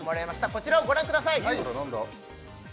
こちらをご覧ください